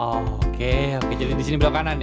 oh oke jadi disini belok kanan ya